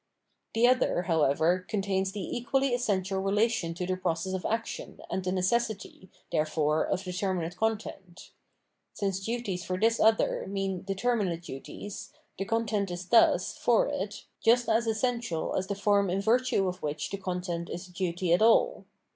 The other, however, contains the equally essential re lation to the process of action, and the necessity, there fore, of determinate content : since duties for this other mean determinate duties, the content is thus, for it, just as essential as the form in virtue of which the content is a duty at all.